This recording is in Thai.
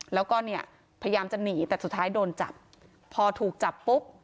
แล้วก็เนี่ยพยายามจะหนีแต่สุดท้ายโดนจับพอถูกจับปุ๊บ